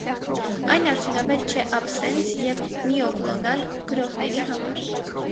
Այն արդյունավետ չէ աբսենս և միոկլոնալ գրոհների համար։